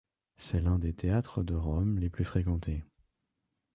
C'est l'un des théâtres de Rome les plus fréquentés.